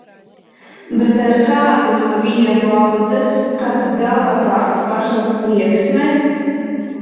Bet ar kādu no viņa paaudzes, kas dala tās pašas tieksmes?